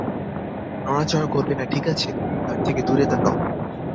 নড়াচড়া করবে না ঠিক আছে, তার থেকে দূরে তাকাও।